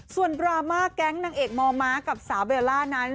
ส่วนดราม่าแก๊งนางเอกมม้ากับสาวเบลล่านั้น